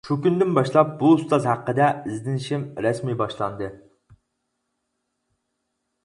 شۇ كۈندىن باشلاپ بۇ ئۇستاز ھەققىدە ئىزدىنىشىم رەسمىي باشلاندى.